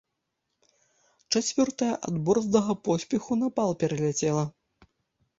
Чацвёртая ад борздага паспеху напал пераляцела.